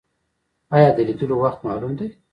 ایا د لیدلو وخت معلوم دی؟